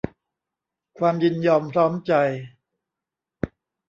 ความยินยอมพร้อมใจ